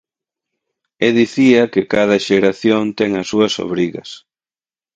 E dicía que cada xeración ten as súas obrigas.